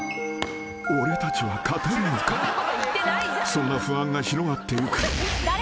［そんな不安が広がっていく］